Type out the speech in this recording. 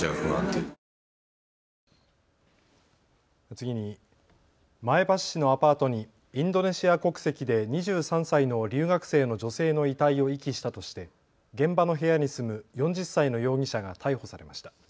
次に前橋市のアパートにインドネシア国籍で２３歳の留学生の女性の遺体を遺棄したとして現場の部屋に住む４０歳の容疑者が逮捕されました。